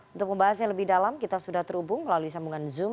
untuk membahasnya lebih dalam kita sudah terhubung melalui sambungan zoom